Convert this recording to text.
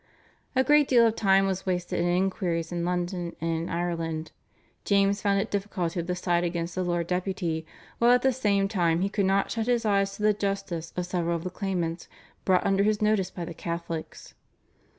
A great deal of time was wasted in inquiries in London and in Ireland. James found it difficult to decide against the Lord Deputy, while at the same time he could not shut his eyes to the justice of several of the claimants brought under his notice by the Catholics.